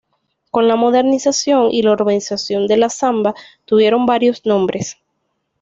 Con la modernización y la urbanización de la samba, tuvieron varios nombres.